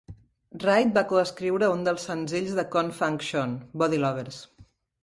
Reid va coescriure un dels senzills de Con Funk Shun, "Body Lovers".